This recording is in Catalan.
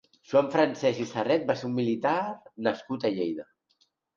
Joan Francesch i Serret va ser un militar nascut a Lleida.